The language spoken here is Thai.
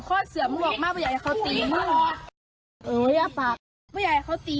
ข้อเหลือมึงบอกมากรออย่าให้เขาตี